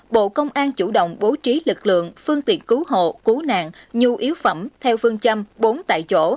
bộ công an chủ động bố trí lực lượng phương tiện cứu hộ cứu nạn nhu yếu phẩm theo phương châm bốn tại chỗ